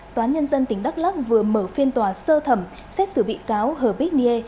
tòa nhân dân tỉnh đắk lắc vừa mở phiên tòa sơ thẩm xét xử bị cáo hờ bích niê